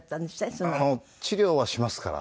治療はしますから。